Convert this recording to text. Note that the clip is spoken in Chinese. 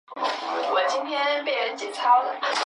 目前以养猪及作物种植为主。